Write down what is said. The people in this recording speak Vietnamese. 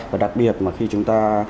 và đặc biệt mà khi chúng ta